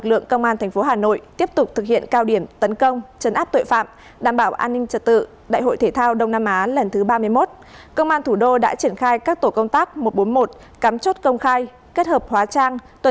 các công an thành phố hà nội trong bốn ngày nghỉ lễ địa bàn thủ đô không xảy ra trọng án số vụ phạm pháp hình sự giảm mạnh